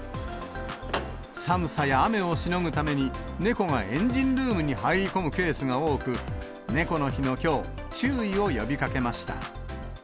寒さや雨をしのぐために、猫がエンジンルームに入り込むケースが多く、猫の日のきょう、注意を呼びかけました。